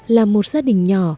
là một gia đình nhỏ